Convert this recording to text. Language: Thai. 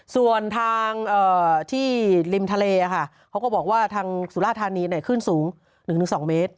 ส่วนทางที่ริมทะเลค่ะเขาก็บอกว่าทางสุราธานีขึ้นสูง๑๒เมตร